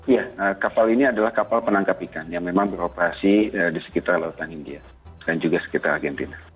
ya kapal ini adalah kapal penangkap ikan yang memang beroperasi di sekitar lautan india dan juga sekitar argentina